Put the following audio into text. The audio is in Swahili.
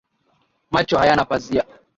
Macho hayana pazia